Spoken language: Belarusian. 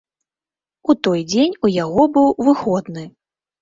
У той дзень у яго быў выходны.